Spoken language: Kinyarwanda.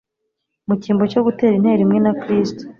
Mu cyimbo cyo gutera intero imwe na Kristo,